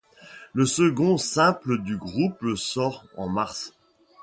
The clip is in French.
Le second simple du groupe sort en mars.